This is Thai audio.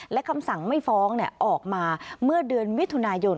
และคำสั่งไม่ฟ้องออกมาเมื่อเดือนมิถุนายน